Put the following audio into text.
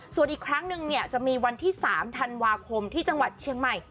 ส่วนอีกครั้งนึงเนี่ยจะมีวันที่๓ธันวาคมที่จังหวัดเชียงใหม่